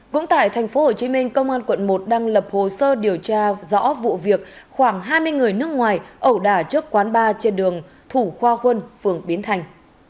cũng tại tp hcm công an quận một đang lập hồ sơ điều tra rõ vụ việc khoảng hai mươi người nước ngoài ẩu đả trước quán bar trên đường thủ khoa huân phường biến thành